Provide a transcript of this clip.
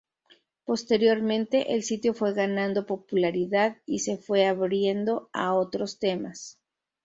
Posteriormente, el sitio fue ganando popularidad y se fue abriendo a otros temas.